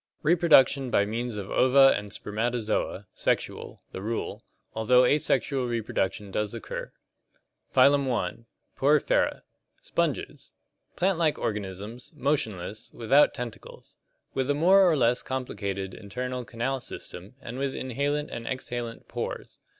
Reproduction by means of ova and sper matozoa (sexual) the rule, although asexual reproduction does occur. Phylum I. Porifera (Lat. porus, pore, and ferre, to bear). Sponges. Plant like organisms, motionless, without tentacles. With a more or less complicated internal canal system and with inhalent and exhalent pores.